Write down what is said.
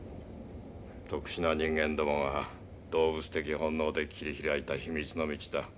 特殊な人間どもが動物的本能的に切り開いた秘密の道だ。